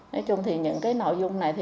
nói chung những nội dung này